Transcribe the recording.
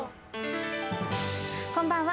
こんばんは。